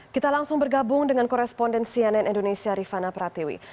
kita langsung bergabung dengan koresponden cnn indonesia rifana pratiwi